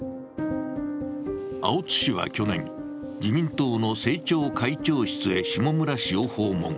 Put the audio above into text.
青津氏は去年、自民党の政調会長室へ下村氏を訪問。